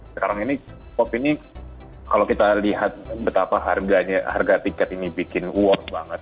sekarang ini pop ini kalau kita lihat betapa harga tiket ini bikin award banget